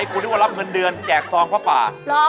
คงที่รับเงินเดือนแจกซองเพราะภาษา